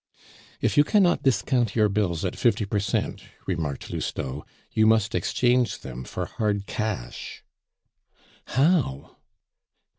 "If you cannot discount your bills at fifty per cent," remarked Lousteau, "you must exchange them for hard cash." "How?"